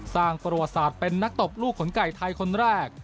สร้างประวัติศาสตร์เป็นนักตบลูกขนไก่ไทยคนแรก